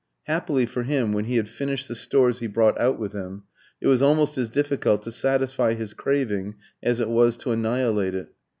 Happily for him, when he had finished the stores he brought out with him, it was almost as difficult to satisfy his craving as it was to annihilate it.